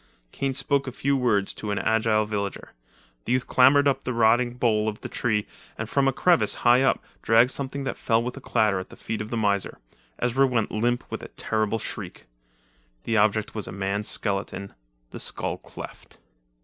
Kane spoke a few words to an agile villager. The youth clambered up the rotting bole of the tree and from a crevice, high up, dragged something that fell with a clatter at the feet of the miser. Ezra went limp with a terrible shriek. The object was a man's skeleton, the skull cleft.